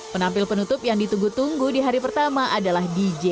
penampil penutup yang ditunggu tunggu di hari pertama adalah dj